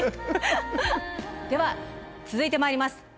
では続いてまいります。